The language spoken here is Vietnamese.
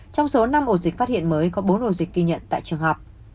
trong số năm ổ dịch phát hiện mới có bốn ổ dịch ghi nhận tại trường học